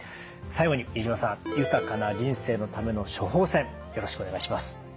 最後に飯島さん豊かな人生のための処方せんよろしくお願いします。